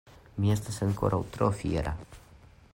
Mi estas ankoraŭ tro fiera!